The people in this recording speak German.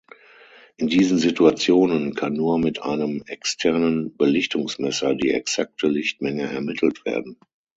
In diesen Situationen kann nur mit einem externen Belichtungsmesser die exakte Lichtmenge ermittelt werden.